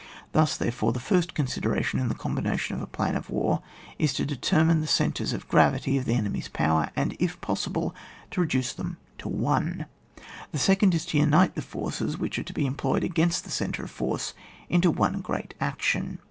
Thus, therefore, the first consideration in the combination of a plan for a war, is tp determine the centres of gravity of the enemy's power, and, if possible, to re duce them to one. The second is to unite the forces which are to be employed against the centre of force into one great action.